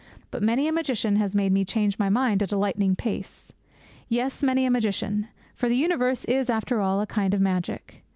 But many a magician has made me change my mind at a lightning pace. Yes, many a magician. For the universe is, after all, a kind of magic.